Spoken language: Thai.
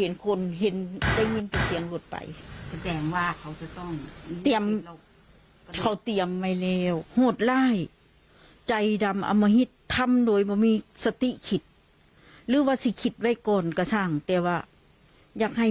เตรียมการมาเป็นอย่างดีนะคะ